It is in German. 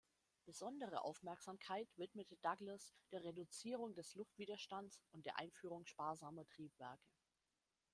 Besondere Aufmerksamkeit widmete Douglas der Reduzierung des Luftwiderstands und der Einführung sparsamer Triebwerke.